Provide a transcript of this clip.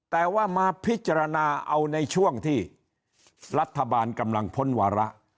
แต่ว่ามาพิจารณาเอาในช่วงที่รัฐบาลกำลังพ้นวาระ